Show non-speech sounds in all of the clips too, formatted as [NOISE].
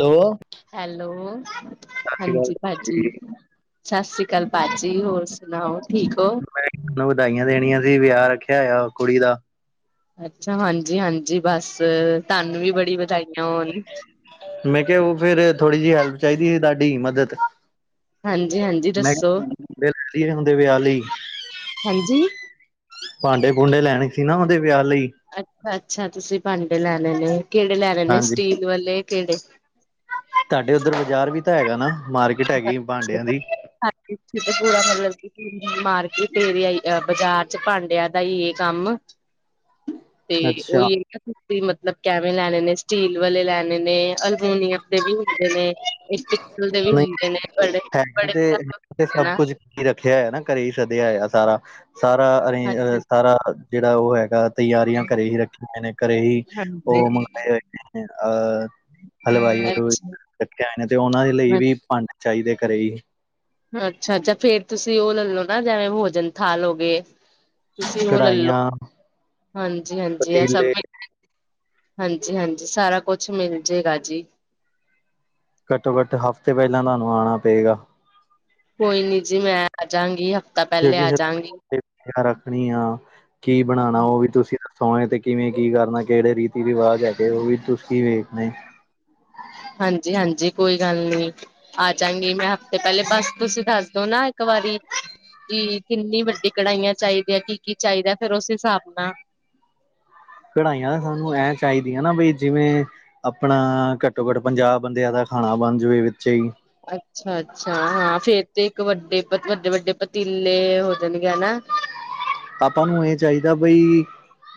Hello. Hello ਸਤਿ ਸ਼੍ਰੀ ਅਕਾਲ ਹਾਂਜੀ ਭਾਜੀ। ਜੀ ਸਤਿ ਸ਼੍ਰੀ ਅਕਾਲ ਭਾ ਜੀ ਹੋਰ ਸੁਣਾਓ ਠੀਕ ਹੋ? ਮੈਂ ਵਧਾਈਆਂ ਦੇਣੀਆਂ ਸੀ, ਵਿਆਹ ਰੱਖਿਆ ਹੋਇਆ ਕੁੜੀ ਦਾ। ਅੱਛਾ ਹਾਂਜੀ, ਹਾਂਜੀ ਬਸ ਤੁਹਾਨੂੰ ਵੀ ਬੜੀ ਵਧਾਈਆਂ ਹੋਣ। ਮੈਂ ਕਿਹਾ ਉਹ ਫੇਰ ਥੋੜੀ ਜਿਹੀ ਹੈਲਪ ਚਾਹੀਦੀ ਸੀ ਤੁਹਾਡੀ ਮਦਦ ਹਾਂਜੀ ਹਾਂਜੀ ਮੈਂ ਦੱਸੋ [UNINTELLIGIBLE] ਹੁੰਦੇ ਵਿਆਹ ਲਈ। ਹਾਂਜੀ ਭਾਂਡੇ ਭੂੰਡੇ ਲੈਣੇ ਸੀ ਨਾ ਔਹਦੇ ਵਿਆਹ ਲਈ। ਅੱਛਾ, ਅੱਛਾ ਤੁਸੀਂ ਭਾਂਡੇ ਲੈਣੇ ਨੇ ਕਿਹੜੇ ਲੈਣੇ ਨੇ ਹਾਂਜੀ ਸਟੀਲ ਵਾਲੇ ਕਿਹੜੇ? ਤੁਹਾਡੇ ਉੱਧਰ ਬਾਜ਼ਾਰ ਵੀ ਤਾਂ ਹੈਗਾ ਨਾ ਮਾਰਕੀਟ ਹੈਗੀ ਭਾਂਡਿਆਂ ਦੀ? ਹਾਂਜੀ ਇਥੇ ਪੂਰਾ ਮਤਲਬ ਕੀ ਮਾਰਕੀਟ ਏਰਿਯਾ ਈ ਬਾਜ਼ਾਰ ਚ ਭਾਂਡਿਆ ਦਾ ਹੀ ਇਹ ਕੰਮ ਤੇ ਅੱਛਾ ਉਹੀ ਮਤਲਬ ਕੈਵੇਂ ਲੈਣੇ ਨੇ ਸਟੀਲ ਵਾਲੇ ਲੈਣੇ ਨੇ ਅਲਮੂਨੀਅਮ ਦੇ ਵੀ ਹੁੰਦੇ ਨੇ। ਮਿਸ਼ਟਕ ਕੂਲ ਦੇ ਵੀ ਹੂੰਦੇ ਨੇ। ਬੜੇ ਹੈ ਬੜੇ ਤੇ ਇਥੇ ਸਭ ਨਾ ਕੁੱਝ ਰੱਖਿਆ ਹਯਾ ਨਾ ਘਰੇ ਹੀ ਸਦਿਆ ਹੈ ਸਾਰਾ ਸਾਰਾ ਅਰੇੰਝ ਅਹ ਅੱਛਾ ਸਾਰਾ ਜਿਹੜਾ ਔਹ ਹੈਗਾ ਤਿਆਰੀਆਂ ਘਰੇ ਹੀ ਰੱਖੀਆਂ ਨੇ ਘਰੇ ਹੀ ਉਹ ਹਾਂਜੀ ਮੰਗਵਾਏ ਹੋਏ ਨੇ ਅਹ ਹਲਵਾਈ ਹੂਲਵੂਈ ਅੱਛਾ ਰਖੇ ਆਏ ਨੇ ਤੇ ਔਹਨਾਂ ਦੇ ਲਈ ਵੀ ਭੰਡੇ ਚਾਹੀਦੇ ਘਰੇ ਹੀ ਅੱਛਾ, ਅੱਛਾ ਫੇਰ ਤੁਸੀਂ ਉਹ ਲੈਲੋ ਨਾ ਜਿਵੇਂ ਭੋਜਨ ਥਾਲ ਹੋ ਗਏ। ਤੁਸੀਂ ਉਹ ਲੈਲੋ ਕੜਾਹੀਆਂ ਹਾਂਜੀ, ਹਾਂਜੀ ਇਹ ਸਭ ਪਤੀਲੇ ਹਾਂਜੀ, ਹਾਂਜੀ ਸਾਰਾ ਕੁਛ ਮਿਲ ਜਾਏਗਾ ਜੀ। ਘਟੋ ਘਟ ਹਫ਼ਤੇ ਪਹਿਲਾਂ ਤੁਹਾਨੂੰ ਆਉਣਾ ਪਏਗਾ। ਕੋਈ ਨੀ ਜੀ ਮੈਂ ਆ ਜਾਗੀ। ਜੈ ਕਿ ਸਭ ਸਬਜੀਆਂ ਰੱਖਣੀ ਆ ਕੀ ਬਣਾਣਾ ਉਹ ਵੀ ਤੁਸੀਂ ਸੋਣੇ ਤੇ ਕਿਵੇਂ ਕੀ ਕਰਨਾ ਕਿਹੜੇ ਰੀਤੀ ਰਿਵਾਜ ਹੈਗੇ ਉਹ ਵੀ ਤੁਸੀਂ ਕੀ ਵੇਖਣੇ। ਹਾਂਜੀ, ਹਾਂਜੀ ਕੋਈ ਗੱਲ ਨੀ। ਆ ਜਾਗੀ ਮੈਂ ਹਫ਼ਤੇ ਪਹਿਲੇ ਬਸ ਤੁਸੀਂ ਦੱਸਦੋ ਨਾ ਇੱਕ ਵਾਰੀ ਕੀ ਕਿੰਨੀ ਵੱਡੀ ਕੜਾਹੀਆਂ ਚਾਹੀਦੀਆਂ ਕੀ ਕੀ ਚਾਹੀਦਾ ਫੇਰ ਉਸ ਹਿਸਾਬ ਨਾਲ ਕੜਾਈਆਂ ਤਾਂ ਸਾਨੂੰ ਐ ਚਾਹੀਦੀਆਂ ਨਾ ਬਈ ਜਿਵੇਂ, ਆਪਣਾ ਘੱਟੋ, ਘੱਟ ਪੰਜਾਹ ਬੰਦਿਆਂ ਦਾ ਖਾਣਾ ਬਣ ਜਾਵੇ ਵਿੱਚੇ ਹੀ। ਅੱਛਾ, ਅੱਛਾ ਹਾਂ ਫੇਰ ਤੇ ਇੱਕ ਵੱਡੇ, ਵੱਡੇ, ਵੱਡੇ ਪਤੀਲੇ ਹੋ ਜਾਣਗੇ ਹਨਾ। ਪਾਪਾ ਨੂੰ ਇਹ ਚਾਹੀਦਾ ਬਈ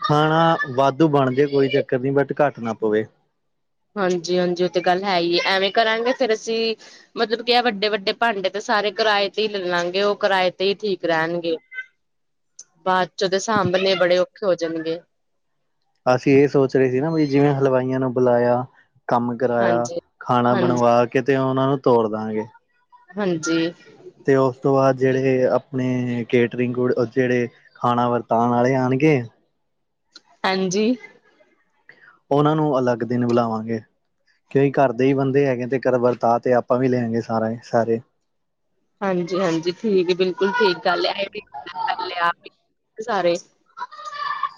ਖਾਣਾ ਵਾਧੂ ਬਣ ਜਾੇਏ ਕੋਈ ਚੱਕਰ ਨਹੀਂ ਬਟ ਘੱਟ ਨਾ ਪਵੇ। ਹਾਂਜੀ, ਹਾਂਜੀ ਉਹ ਤੇ ਗੱਲ ਹੈ ਹੀ ਹੈ ਐਵੇਂ ਕਰਾਂਗੇ ਫੇਰ ਅਸੀਂ ਮਤਲਬ ਕੀ ਆ ਵੱਡੇ, ਵੱਡੇ ਭਾਂਡੇ ਤੇ ਸਾਰੇ ਕਿਰਾਏ ਤੇ ਹੀ ਲੈ ਲਾਂਗੇ ਉਹ ਕਿਰਾਏ ਤੇ ਹੀ ਠੀਕ ਰਹਿਣਗੇ। ਬਾਅਦ ਚ ਉਹਦੇ ਸਾਂਭਣੇ ਬੜੇ ਔਖੇ ਹੋ ਜਾਣਗੇ। ਅਸੀਂ ਇਹ ਸੋਚ ਰਹੇ ਸੀ ਨਾ ਵੀ ਜਿਵੇਂ ਹਲਵਾਈਆਂ ਨੂੰ ਬੁਲਾਇਆ ਕੰਮ ਕਰਾਇਆ ਖਾਣਾ ਬਣਵਾ ਕੇ ਤੇ ਉਹਨਾਂ ਨੂੰ ਤੋੜ ਦਾਂਗੇ। ਹਾਂਜੀ। ਤੇ ਉਸ ਤੋਂ ਬਾਅਦ ਜਿਹੜੇ ਆਪਣੇ ਕੇਟਰਿੰਗ ਜਿਹੜੇ ਖਾਣਾ ਵਰਤਾਉਣ ਵਾਲੇ ਆਉਣਗੇ। ਹਾਂਜੀ। ਉਹਨਾਂ ਨੂੰ ਅਲੱਗ ਦਿਨ ਬੁਲਾਵਾਂਗੇ। ਕਿਉਂਈ ਘਰ ਦੇ ਈ ਬੰਦੇ ਹੈਗੇ ਤੇ ਘਰ ਵਰਤਾ ਤੇ ਆਪਾਂ ਵੀ ਲੈਂਗੇ ਸਾਰਾ ਈ, ਸਾਰੇ। ਹਾਂਜੀ-ਹਾਂਜੀ ਠੀਕ ਏ, ਬਿਲਕੁਲ ਠੀਕ ਗੱਲ ਐ, [UNINTELLIGIBLE] ਸਾਰੇ।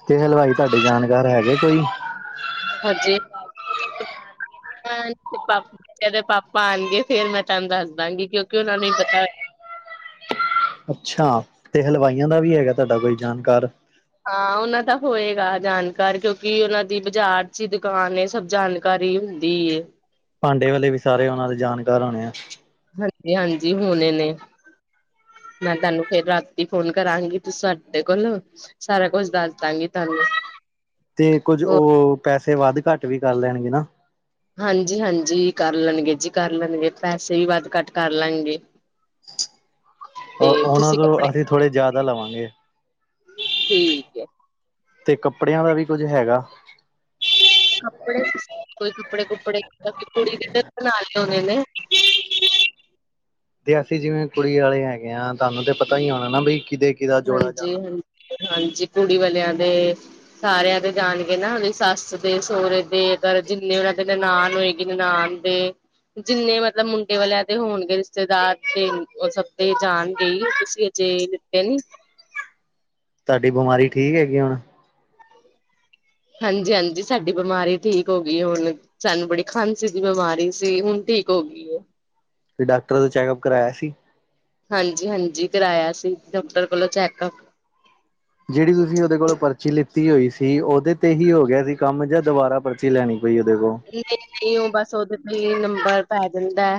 ਤੇ ਹਲਵਾਈ ਤੁਹਾਡੇ ਜਾਣਕਾਰ ਹੈਗੇ ਕੋਈ? ਹਾਂਜੀ। [UNINTELLIGIBLE] ਜਦੇ ਪਾਪਾ ਆਣਗੇ, ਫੇਰ ਮੈਂ ਤੁਹਾਨੂੰ ਦੱਸਦਾਂ ਗੀ, ਕਿਉਂਕਿ ਉਹਨਾਂ ਨੂੰ ਈ ਪਤਾ ਅੱਛਾ ਤੇ ਹਲਵਾਈਆਂ ਦਾ ਵੀ ਹੈਗਾ ਤੁਹਾਡਾ ਕੋਈ ਜਾਣਕਾਰ? ਹਾਂ ਉਹਨਾਂ ਦਾ ਹੋਏਗਾ ਜਾਣਕਾਰ, ਕਿਉਂਕਿ ਉਹਨਾਂ ਦੀ ਬਾਜ਼ਾਰ 'ਚ ਈ ਦੁਕਾਨ ਸਭ ਜਾਣ ਕਾਰੀ ਹੁੰਦੀ ਏ। ਭਾਂਡੇ ਵਾਲੇ ਵੀ ਸਾਰੇ ਉਹਨਾਂ ਦੇ ਜਾਣਕਾਰ ਹੋਣੇ ਆ। ਹਾਂਜੀ-ਹਾਂਜੀ ਹੋਨੇ ਨੇ। ਮੈਂ ਤੁਹਾਨੂੰ ਫੇਰ ਰਾਤੀ ਫੋਨ ਕਰਾਂਗੀ, ਤੁਸੀ ਸਾਡੇ ਕੋਲੋਂ ਸਾਰਾ ਕੁਛ ਦੱਸਦਾਂ ਗੀ ਤੁਹਾਨੂੰ। ਤੇ ਕੁੱਝ ਹੋਰ ਉਹ, ਪੈਸੇ ਵੱਧ-ਘੱਟ ਵੀ ਕਰ ਲੈਣਗੇ ਨਾ। ਹਾਂਜੀ-ਹਾਂਜੀ ਕਰ ਲੈਣਗੇ ਜੀ ਕਰ ਲੈਣਗੇ, ਪੈਸੇ ਵੀ ਵੱਧ-ਘੱਟ ਕਰ ਲੈਣਗੇ। ਤੇ ਅਹ, ਉਹਨਾਂ ਤੁਸੀਂ ਤੋਂ ਕੱਪੜੇ ਅਸੀਂ ਥੋੜੇ ਜ਼ਿਆਦਾ ਲਵਾਂਗੇ। ਠੀਕ ਐ। ਤੇ ਕੱਪੜਿਆਂ ਦਾ ਵੀ ਕੁੱਝ ਹੈਗਾ? ਕੱਪੜੇ, ਕੋਈ ਕੱਪੜੇ-ਕੁੱਪੜੇ ਕੁੜੀ ਦੇ ਤੇ ਬਣਾ ਲਏ ਹੋਣੇ ਨੇ। ਤੇ ਅਸੀਂ ਜਿਵੇਂ ਕੁੜੀ ਵਾਲੇ ਹੈਗੇ ਆ, ਤੁਹਾਨੂੰ ਤੇ ਪਤਾ ਈ ਹੋਣਾ ਨਾ ਬ‌ਈ ਕੀਦੇ ਹਾਂਜੀ ਹਾਂ ਹਾਂਜੀ, ਕੁੜੀ ਵਾਲਿਆਂ ਦੇ ਸਾਰਿਆਂ ਦੇ ਜਾਣਗੇ ਨਾ ਉਹਦੀ ਸੱਸ ਦੇ, ਸਹੁਰੇ ਦੇ, ਅਗਰ ਜਿੰਨੇ ਉਹਨਾਂ ਦੇ ਨਨਾਨ ਹੋਏਗੀ, ਨਨਾਨ ਤੇ ਜਿੰਨੇ ਮਤਲਬ ਮੁੰਡੇ ਵਾਲਿਆਂ ਦੇ ਹੋਣਗੇ ਰਿਸ਼ਤੇਦਾਰ ਦੇ, ਉਹ ਸਭ ਤੇ ਜਾਣਗੇ ਈ, ਤੁਸੀਂ ਜੇ ਨਾ ਪੈਲਿਸ ਤੁਹਾਡੀ ਬਿਮਾਰੀ ਠੀਕ ਹੈਗੀ ਹੁਣ? [INAUDIBLE] ਹਾਂਜੀ-ਹਾਂਜੀ, ਸਾਡੀ ਬਿਮਾਰੀ ਠੀਕ ਹੋਗੀ ਹੁਣ ਸਾਨੂੰ ਬੜੀ ਖਾਂਸੀ ਦੀ ਬਿਮਾਰੀ ਸੀ, ਹੁਣ ਠੀਕ ਹੋਗੀ ਏ ਫੇਰ ਡਾਕਟਰ ਤੋ ਚੈੱਕਅਪ ਕਰਵਾਇਆ ਸੀ? - ਹਾਂਜੀ-ਹਾਂਜੀ ਕਰਾਇਆ ਸੀ, ਡਾਕਟਰ ਕੋਲੋਂ ਚੈਕਅਪ ਜਿਹੜੀ ਤੁਸੀਂ ਉਹਦੇ ਕੋਲੋਂ ਪਰਚੀ ਲਿੱਤੀ ਹੋਈ ਸੀ। ਉਹਦੇ ਤੇ ਹੀ ਹੋ ਗਿਆ ਸੀ ਕੰਮ ਜਾਂ ਦੁਬਾਰਾ ਪਰਚੀ ਲੈਣੀ ਪਈ ਉਹਦੇ ਕੋ ਨਹੀਂ-ਨਹੀਂ, ਉਹ ਬਸ ਉਹਦੇ ਤੇ ਈ ਨੰਬਰ ਪੈ ਜਾਂਦਾ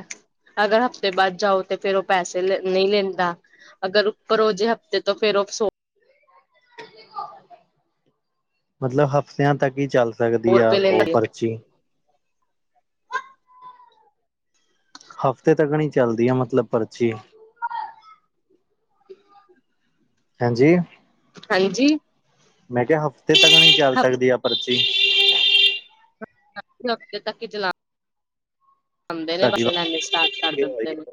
ਅਗਰ ਹਫ਼ਤੇ ਬਾਅਦ ਜਾਓ ਤੇ ਫੇਰ ਉਹ ਪੈਸੇ ਲੈ, ਨਹੀਂ ਲੈਂਦਾ ਅਗਰ ਉੱਪਰ ਹੋ ਜੇ ਹਫ਼ਤੇ ਤੋਂ ਫੇਰ ਉਹ ਸੋ ਮਤਲਬ ਹਫ਼ਤਿਆਂ ਤੱਕ ਈ ਚੱਲ ਸਕਦੀ ਆ, ਰੁਪਏ ਉਹ ਲੈਂਦੇ ਪਰਚੀ ਹਫ਼ਤੇ ਤੱਕ ਨੀ ਚੱਲਦੀ ਆ, ਮਤਲਬ ਪਰਚੀ [INAUDIBLE] ਹਾਂਜੀ। ਹਾਂਜੀ। ਮੈਂ ਕਿਹਾ ਹਫ਼ਤੇ ਤੱਕ ਨੀ ਚੱਲ ਸਕਦੀ ਹਫ਼ਤੇ ਆ ਪਰਚੀ? ਹਫ਼ਤੇ ਤੱਕ ‌ਈ ਚਲਾ ਆਉਂਦੇ ਨੇ, ਤੁਹਾਡੀ ਪੈਸੇ ਲੈਂਨੇ ਸਟਾਰਟ ਕਰ ਦਿੱਤੇ ਆਵਾਜ਼ ਨੇ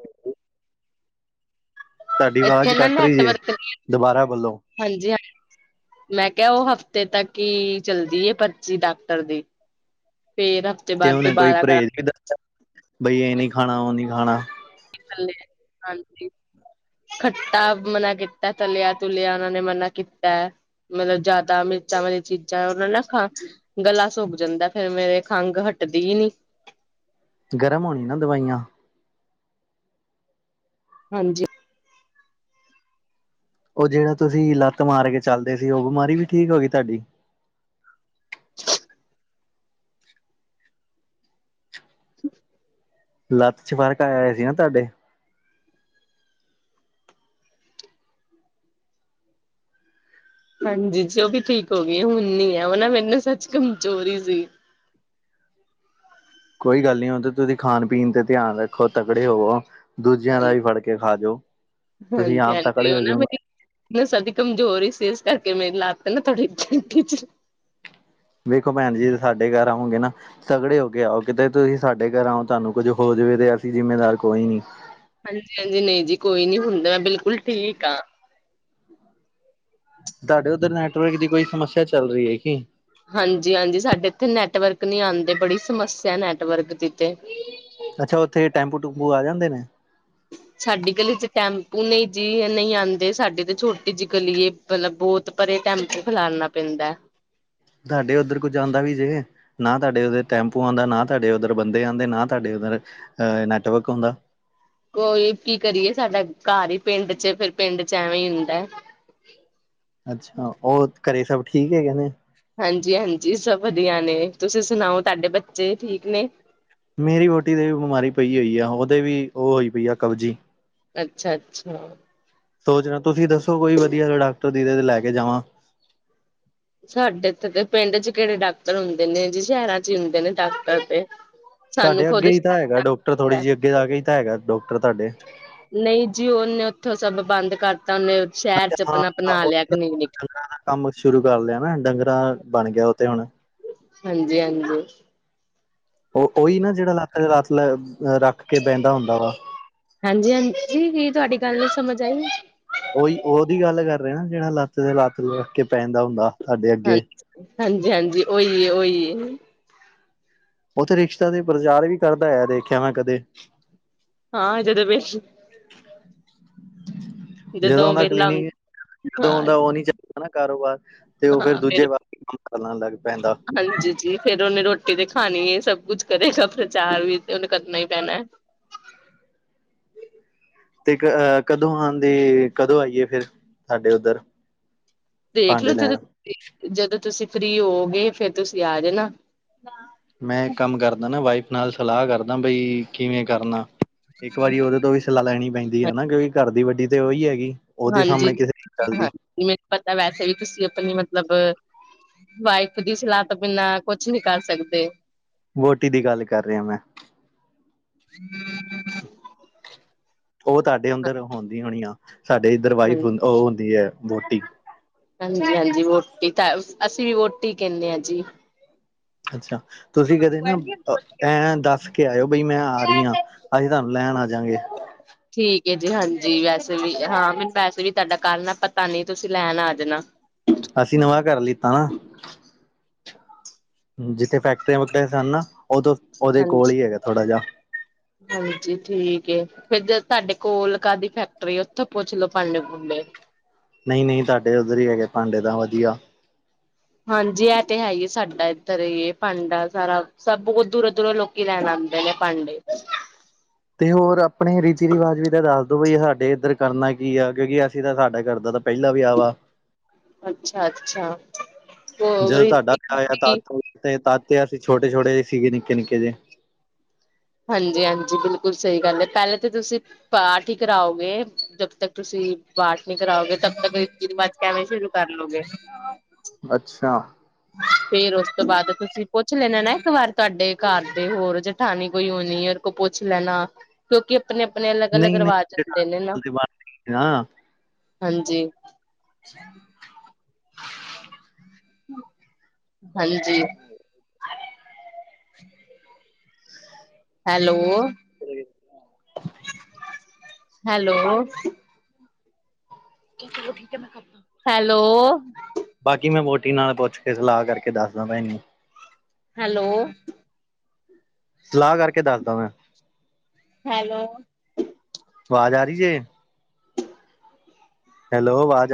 ਤੁਹਾਡੀ ਇੱਥੇ ਆਵਾਜ਼ ਨਾ ਕੱਟ ਰਹੀ ਜੇ ਨੈਟਵਰਕ ਨੀ ਹੈਗਾ, ਦੁਬਾਰਾ ਵੱਲੋਂ ਹਾਂਜੀ-ਹਾਂਜੀ। ਮੈਂ ਕਿਹਾ ਉਹ ਹਫ਼ਤੇ ਤੱਕ ਹੀ ਚੱਲਦੀ ਏ, ਪਰਚੀ ਡਾਕਟਰ ਦੀ [UNINTELLIGIBLE] ਤੇ ਉਹਨੇ ਕੋਈ ਦੁਬਾਰਾ ਪਰਹੇਜ ਕਰਾਂਗੇ ਵੀ ਦੱਸਿਆ, ਬਈ ਇਹ ਨਹੀਂ ਖਾਣਾ ਉਹ ਨੀ ਖਾਣਾ [UNINTELLIGIBLE] ਹਾਂਜੀ ਖੱਟਾ ਮਨਾ ਕੀਤਾ ਤਲਿਆ-ਤੁਲਿਆ ਉਹਨਾਂ ਨੇ ਮਨਾ ਕੀਤਾ ਮਤਲਬ ਜ਼ਿਆਦਾ ਮਿਰਚਾਂ ਵਾਲੀਆਂ ਚੀਜ਼ਾਂ ਉਹਨਾਂ ਨਾ ਖਾ ਗਲਾ ਸੁਖ ਜਾਂਦਾ ਫੇਰ ਮੇਰੇ ਖੰਘ ਹਟਦੀ ਹੀ ਨਹੀਂ ਗਰਮ ਹੋਣੀ ਨਾ ਦਵਾਈਆਂ ਹਾਂਜੀ। ਉਹ ਜਿਹੜਾ ਤੁਸੀਂ ਲੱਤ ਮਾਰ ਕੇ ਚੱਲਦੇ ਸੀ, ਉਹ ਬਿਮਾਰੀ ਵੀ ਠੀਕ ਹੋ ਗਈ। ਤੁਹਾਡੀ [INAUDIBLE] ਲੱਤ ਚ ਫ਼ਰਕ ਆਇਆ ਹੋਆ ਸੀ ਨਾ ਤੁਹਾਡੇ ਹਾਂਜੀ ਜੀ ਉਹ ਵੀ ਠੀਕ ਹੋ ਗਈ, ਹੁਣ ਨਹੀਂ ਹੈ, ਨਾ ਮੇਂਨੂ ਸੱਚ ਕਮਜ਼ੋਰੀ ਸੀ ਕੋਈ ਗੱਲ ਨਹੀਂ ਹੁਨ ਨਾ, ਤੁਸੀਂ ਖਾਣ-ਪੀਣ ਤੇ ਧਿਆਨ ਰੱਖੋ ਤਕੜੇ ਹੋਵੋ। ਦੂਜਿਆਂ ਦਾ ਹਾਂਜੀ ਵੀ ਫੜ ਕੇ ਖਾ ਜੋਓ, ਤੁਸੀਂ ਆਪ ਤਕੜੇ ਹੋ ਜਾੋ ਸਦੀ ਕਮਜ਼ੋਰ ਹੀ ਸੀ, ਇਸ ਕਰਕੇ ਮੇਰੀ ਲਾਤ ਨਾ ਥੋੜ੍ਹੀ ਵੇਖੋ ਭੈਣ ਜੀ, ਸਾਡੇ ਘਰ ਆਉਗੇ ਨਾ ਤਗੜੇ ਹੋ ਕੇ ਆਓ, ਕਿਤੇ ਤੁਸੀਂ ਸਾਡੇ ਘਰ ਆਓ, ਤੁਹਾਨੂੰ ਕੁੱਝ ਹੋ ਜਾਵੇ ਤੇ ਅਸੀਂ ਜਿੰਮੇਦਾਰ ਕੋਈ ਨੀ ਹਾਂਜੀ-ਹਾਂਜੀ ਨਹੀਂ ਜੀ ਕੋਈ ਨੀ ਹੁੰਨ ਤੇ ਮੈਂ ਬਿਲਕੁਲ ਠੀਕ ਹਾਂ ਤੁਹਾਡੇ ਉੱਧਰ ਨੈਟਵਰਕ ਦੀ ਕੋਈ ਸਮੱਸਿਆ ਚੱਲ ਰਹੀ ਹੈ। ਕਿ? ਹਾਂਜੀ-ਹਾਂਜੀ, ਸਾਡੇ ਇੱਥੇ ਨੈਟਵਰਕ ਨੀ ਆਉਂਦੇ ਬੜੀ ਸਮੱਸਿਆ ਨੈਟਵਰਕ ਦੀ ਤੇ ਅੱਛਾ, ਉੱਥੇ ਟੈਂਪੂ ਟੂਪੂ ਆ ਜਾਂਦੇ ਨੇ? ਸਾਡੀ ਗਲੀ ਚ ਟੈਂਪੂ ਨਹੀਂ ਜੀ ਨਹੀਂ ਆਉਂਦੇ, ਸਾਡੇ ਤੇ ਛੋਟੀ ਜਿਹੀ ਗਲੀਏ ਮਤਲਬ ਬਹੁਤ ਭਰੇ ਟੈਮਪੂ ਖਲਾੜਨਾ ਪੈਂਦਾ। ਤੁਹਾਡੇ ਉੱਧਰ ਕੁੱਝ ਆਂਦਾ ਵੀ ਜੇ ਵੇ ਨਾ ਤੁਹਾਡੇ ਉਧਰ ਟੈਂਪੂ ਆਉਂਦਾ, ਨਾ ਤੁਹਾਡੇ ਉੱਧਰ ਬੰਦੇ ਆਉਂਦੇ, ਨਾ ਤੁਹਾਡੇ ਉੱਧਰ ਅਹ ਨੈਟਵਰਕ ਆਉਂਦਾ। ਕੋਈ ਕੀ ਕਰੀਏ, ਸਾਡਾ ਘਰ ਹੀ ਪਿੰਡ ਚ ਫਿਰ ਪਿੰਡ ਚ ਐਵੇਂ ਹੀ ਹੁੰਦਾ। ਅੱਛਾ, ਹੋਰ ਘਰੇ ਸਭ ਠੀਕ ਹੈਗੇ ਨੇ? ਹਾਂਜੀ-ਹਾਂਜੀ ਸਭ ਵਧੀਆ ਨੇ, ਤੁਸੀਂ ਸੁਣਾਓ ਤੁਹਾਡੇ ਬੱਚੇ ਠੀਕ ਨੇ? ਮੇਰੀ ਵਹੁਟੀ ਦੇ ਵੀ ਬਿਮਾਰੀ ਪਈ ਹੋਈ ਆ। ਉਹਦੇ ਵੀ ਉਹ ਹੋਈ ਪਈ ਆ ਕਬਜੀ ਅੱਛਾ-ਅੱਛਾ ਸੋਚ ਰੇ ਹਾ, ਤੁਸੀਂ ਦੱਸੋ ਕੋਈ ਵਧੀਆ ਜਾ ਡਾਕਟਰ ਜੀਂਦੇ ਤੇ ਲੈ ਕੇ ਜਾਵਾਂ? ਸਾਡੇ ਇਥੇ ਦੇ ਪਿੰਡ ਚ ਕਿਹੜੇ ਡਾਕਟਰ ਹੁੰਦੇ ਨੇ, ਜੀ ਸ਼ਹਿਰਾਂ ਚ ਹੀ ਹੁੰਦੇ ਨੇ ਡਾਕਟਰ ਤੇ ਸਾਨੂੰ ਤੁਹਾਡੇ ਖੁਦ ਅੱਗੇ ਹੀ ਤਾਂ ਹੈਗਾ ਡਾਕਟਰ ਥੋੜ੍ਹੀ ਜਿਹੀ ਅੱਗੇ ਜਾ ਕੇ ਹੀ ਤਾਂ ਹੈਗਾ ਡਾਕਟਰ ਤੁਹਾਡੇ ਨਹੀਂ ਜੀ ਉਹਨੇ ਉੱਥੋਂ ਸਭ ਬੰਦ ਕਰਤਾ ਉਹਨੇ ਸ਼ਹਿਰ ਅੱਛਾ ਚ ਆਪਣਾ ਹਾਂ ਬਣਾ ਉਹ ਲਿਆ ਕਲੀਨਿਕ ਡੰਗਰਾਂ ਦਾ ਕੰਮ ਸ਼ੁਰੂ ਕਰ ਲਿਆ ਨਾ, ਏਡਾ ਗ੍ਰਾਹਕ ਬਣ ਗਿਆ ਉਥੇ ਹੁਣ ਹਾਂਜੀ-ਹਾਂਜੀ ਉਹ ਉਹੀ ਨਾ ਜਿਹੜਾ ਲੱਤ ਤੇ ਲੱਤ ਰੱਖ ਕੇ ਬਹਿੰਦਾ ਹੁੰਦਾ ਵਾ ਹਾਂਜੀ-ਹਾਂਜੀ ਕੀ ਤੁਹਾਡੀ ਗੱਲ ਨੀ ਸਮਝ ਆਈ ਉਓਹੀ ਉਹਦੀ ਗੱਲ ਕਰ ਰਹੇ ਨਾ ਜਿਹੜਾ ਲੱਤ ਤੇ ਲੱਤ ਰਖਕੇ ਬੈਂਦਾ ਹੁੰਦਾ ਸਾਡੇ ਅੱਗੇ ਹਾਂਜੀ-ਹਾਂਜੀ ਉਹੀਏ-ਉਹੀਏ ਔ ਤੇ ਰਿਸ਼ਤੇਆਂ ਦਾ ਪ੍ਰਚਾਰ ਵੀ ਕਰਦਾ ਹੈਗਾ ਦੇਖਿਆ ਮੈਂ ਕਦੇ ਹਾਂ ਜਦੋਂ ਵੇਸ਼ [UNINTELLIGIBLE] ਜਦੋਂ ਔਦਾ ਕਲੀਨਿਕ ਹਾਂ ਜਦੋਂ ਔਦਾ ਉਹ ਨੀ ਚੱਲਦਾ ਨਾ ਕਾਰੋਬਾਰ ਤੇ ਉਹ ਫੇਰ ਹਾਂ ਦੂਜੇ ਫਿਰ ਵਸ [UNINTELLIGIBLE] ਕਲਾਂ ਲੱਗ ਪੈਂਦਾ ਹਾਂਜੀ ਜੀ ਫੇਰ ਓਨੇ ਰੋਟੀ ਤੇ ਖਾਨੀ ਏ ਸਭ ਕੁਛ ਕਰੇਗਾ ਪ੍ਰਚਾਰ ਵੀ ਤੇ ਓਨੇ ਕਰਨਾ ਈ ਪੈਨਾ। ਤੇ ਅ ਕਦੋਂ ਆਣ ਦੀ ਤੇ ਕਦੋਂ ਆਈਏ ਫਿਰ ਸਾਡੇ ਓਦਰ ਦੇਖਲੋ ਜਦੋਂ-ਜਦੋਂ ਤੁਸੀਂ ਫਰੀ ਹੋਗੇ ਫੇਰ ਤੁਸੀਂ ਆ ਜਾਨਾ। ਮੈਂ ਕੰਮ ਕਰਦਾ ਨਾ ਵਾਈਫ ਨਾਲ ਸਲਾਅ ਕਰਦਾ ਬਈ ਕਿਵੇਂ ਕਰਨਾ ਇੱਕ ਵਾਰੀ ਓਦੇ ਤੋਂ ਵੀ ਸ ਸਲਾਅ ਲੈਣੀ ਪੈਂਦੀ ਐ ਨਾ ਕਿਓਂਕਿ ਘਰ ਦੀ ਵੱਡੀ ਤੇ ਓਈ ਹੈਗੀ। ਉਹਦੇ ਹਾਂਜੀ, ਸਾਹਮਣੇ ਕਿਸੇ ਚੱਲਦੀ ਹਾਂਜੀ ਮੈਨੂੰ ਪਤਾ ਵੈਸੇ ਵੀ ਤੁਸੀਂ ਆਪਨੀ ਮਤਲਬ ਵਾਈਫ ਦੀ ਸਲਾਹ ਤੋਂ ਬਿਨਾਂ ਕੁਛ ਨੀ ਕਰ ਸਕਦੇ। ਵੋਟੀ ਦੀ ਗੱਲ ਕਰ ਰਿਆ ਮੈਂ। ਓ ਤੁਹਾਡੇ ਅੰਦਰ ਹੁੰਦੀ ਹੋਣੀ ਆ ਸਾਡੇ ਇੱਧਰ ਵਾਈਫ ਹੁੰ ਓ ਹੁੰਦੀ ਐ ਵੋਟੀ। ਹਾਂਜੀ-ਹਾਂਜੀ ਵੋਟੀ ਤਾਂ ਅਸੀਂ ਵੀ ਵੋਟੀ ਕੈਂਨੇ ਆਂ ਜੀ। ਅੱਛਾ ਤੁਸੀਂ ਕਦੇ ਨਾ ਐਂ ਦੱਸ ਕੇ ਆਏਓ ਬਈ ਮੈਂ ਆ ਰਈ ਆਂ ਅਸੀਂ ਤਾਨੂੰ ਲੈਣ ਆਂਜਗੇ। ਠੀਕ ਐ ਜੀ ਹਾਂਜੀ ਵੈਸੇ ਵੀ ਹਾਂ ਮੈਨੂੰ ਵੈਸੇ ਵੀ ਤਾਡਾ ਘਰ ਨਾ ਪਤਾ ਨੀ ਤੁਸੀਂ ਲੈਨ ਆ ਜਾਨਾ। ਅਸੀਂ ਨਵਾਂ ਘਰ ਲਿੱਤਾ ਨਾ ਜਿੱਥੇ ਫੈਕਟਰੀਆਂ ਵੈਕਟਰੀਆਂ ਸਨ ਨਾ ਓਦੇ ਕੋਲ ਹਾਂਜੀ ਈ ਹੈਗਾ ਥੋੜਾ ਜਾ ਹਾਂਜੀ ਠੀਕ ਏ। ਫੇਰ ਜੇ ਤਾਡੇ ਕੋਲ ਕਾਹਦੀ ਫੈਕਟਰੀ ਓਥੋਂ ਪੁੱਛ ਲੋੋ ਪਾਂਡੇ ਪੁੰਡੇ। ਨਈ-ਨਈ ਤਾਡੇ ਓਦਰ ਈ ਹੈਗੇ ਭਾਂਡੇ ਤਾਂ ਵਦੀਆ। ਹਾਂਜੀ ਇਹ ਤੇ ਹੈ ਈ ਸਾਡਾ ਐਦਰ ਏ ਪਾਂਡਾ ਸਾਰਾ ਸਭ ਬਹੁ ਦੂਰੋਂ-ਦੂਰੋਂ ਲੋ ਕੀ ਲੈਨ ਆਂਦੇ ਨੇ ਪਾਂਡੇ। ਤੇ ਹੋਰ ਆਪਣੇ ਰੀਤੀ ਰਿਵਾਜ ਵੀ ਤਾਂ ਦੱਸ ਦੋ ਬਈ ਸਾਡੇ ਏਦਰ ਕਰਨਾ ਕੀ ਆ ਕਿਓਂਕਿ ਅਸੀਂ ਤਾਂ ਸਾਡਾ ਕਰਦਾ ਤਾਂ ਪੈਲਾ ਵਿਆ ਆ ਵਾ। ਅੱਛਾ-ਅੱਛਾ। ਜਦੋਂ ਤਾਡਾ ਵਿਆਹ ਹੋਇਆ ਤਾ ਤਦ ਤੇ ਅਸੀਂ ਛੋਟੇ-ਛੋਟੇ ਜੇ ਸੀਗੇ ਨਿੱਕੇ-ਨਿੱਕੇ ਜੇ। ਹਾਂਜੀ-ਹਾਂਜੀ ਬਿਲਕੁਲ ਸਈ ਗੱਲ ਐ ਪੈਲੇ ਤੇ ਤੁਸੀਂ ਪਾਠ ਈ ਕਰਾਓਗੇ ਜਦ ਤੱਕ ਤੁਸੀਂ ਪਾਠ ਨੀ ਕਰਾਓਗੇ ਤਬ ਤੱਕ ਰੀਤੀ ਰਿਵਾਜ਼ ਕੈਵੇਂ ਸ਼ੁਰੂ ਕਰ ਲੋਗੇ। ਅੱਛਾ ਫੇਰ ਓਸ ਤੋਂ ਬਾਦ ਤੁਸੀਂ ਪੁੱਛ ਲੈਣਾ ਨਾ ਇੱਕ ਵਾਰ ਤਆਡੇ ਘਰ ਦੇ ਹੋਰ ਜੇਠਾਣੀ ਕੋਈ ਹੋਨੀ ਏ ਤੋ ਪੁੱਛ ਲੈਨਾ ਕਿਓਂਕਿ ਆਪਨੇ-ਆਪਨੇ ਅਲੱਗ-ਅਲੱਗ ਨਹੀਂ ਨਹੀਂ ਰਿਵਾਜ ਹੁੰਦੇ ਨੇ ਨਾ ਫਿਲਹਾਲ ਤੇ ਬਣਦੀ ਨਾ ਹਾਂਜੀ ਹਾਂਜੀ ਹੈਲੋ [INAUDIBLE] ਹੈਲੋ, ਚਲੋ ਠੀਕ ਐ ਮੈਂ ਕਰਦਾ। ਹੈਲੋ, ਬਾਕੀ ਮੈਂ ਵੋਟੀ ਨਾਲ ਪੁੱਛ ਕੇ ਸਲਾਅ ਕਰਕੇ ਦੱਸਦਾ ਮੈਂ ਹੈਲੋ, ਸਲਾਅ ਕਰਕੇ ਦੱਸਦਾ ਮੈਂ। ਹੈਲੋ, ਆਵਾਜ਼ ਆ ਰਹੀ ਜੇ ਹੈਲੋ ਆਵਾਜ ਆ